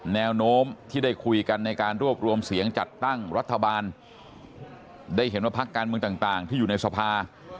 แนวโน้มที่ได้คุยกันในการรวบรวมเสียงจัดตั้งรัฐบาลได้เห็นว่าพักการเมืองต่างที่อยู่ในสภา